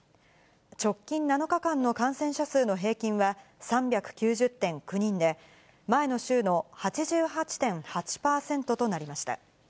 直近７日間の感染者数の平均は３９０．９人で、前の週の８８．８％となりました。